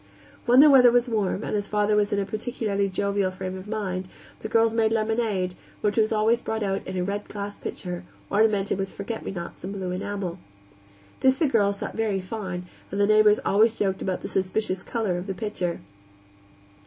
When the weather was warm, and his father was in a particularly jovial frame of mind, the girls made lemonade, which was always brought out in a red glass pitcher, ornamented with forget me nots in blue enamel. This the girls thought very fine, and the neighbors always joked about the suspicious color of the pitcher.